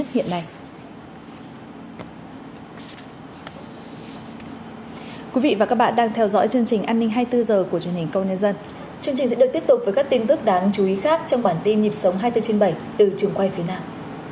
chương trình sẽ được tiếp tục với các tin tức đáng chú ý khác trong bản tin nhịp sống hai mươi bốn trên bảy từ trường quay phía nam